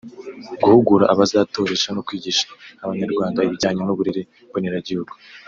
guhugura abazatoresha no kwigisha abanyarwanda ibijyanye n’uburere mboneragihugu